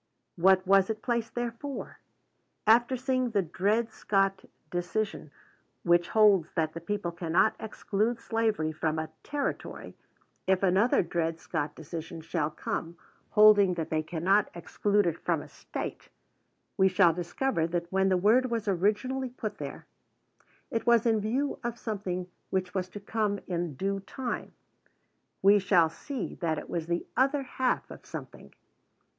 What was it placed there for? After seeing the Dred Scott decision, which holds that the people cannot exclude slavery from a Territory, if another Dred Scott decision shall come, holding that they cannot exclude it from a State, we shall discover that when the word was originally put there it was in view of something which was to come in due time; we shall see that it was the other half of something.